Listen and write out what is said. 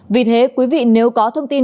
vì thế quý vị nếu có thông tin